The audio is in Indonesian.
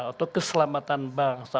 untuk keselamatan bangsa